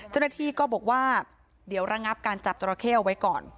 เจ้าหน้าที่ก็บอกว่าเดี๋ยวระงับการจับจราเข้เอาไว้ก่อน